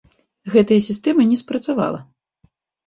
Гэтая сістэма не спрацавала.